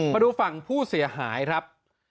มาดูฝั่งผู้เสียหายครับ